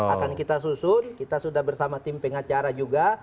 akan kita susun kita sudah bersama tim pengacara juga